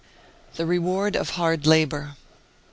""..." THE REWARD OF HARD LABOUR."